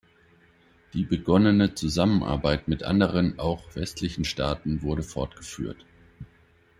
Die begonnene Zusammenarbeit mit anderen, auch westlichen, Staaten wurde fortgeführt.